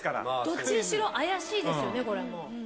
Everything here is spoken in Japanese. どっちにしろ怪しいですよねこれもう。